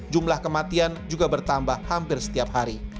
jumlah kematian juga bertambah hampir setiap hari